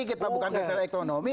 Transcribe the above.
kita bukan bicara ekonomi